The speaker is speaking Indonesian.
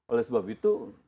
oleh sebab itu